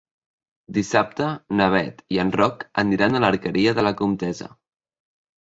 Dissabte na Bet i en Roc aniran a l'Alqueria de la Comtessa.